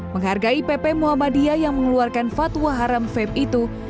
menghargai pp muhammadiyah yang mengeluarkan fatwa haram feb itu